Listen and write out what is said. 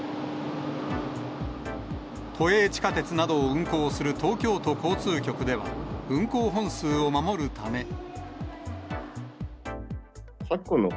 都営地下鉄などを運行する東京都交通局では、運行本数を守るため。